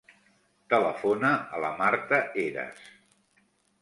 Telefona a la Marta Heras.